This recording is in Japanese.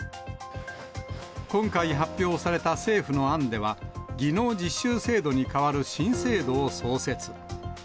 今回発表された政府の案では、技能実習制度にかわる新制度を創設。